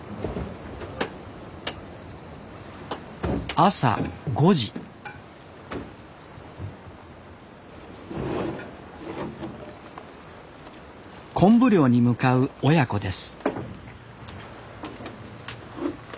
朝５時昆布漁に向かう親子です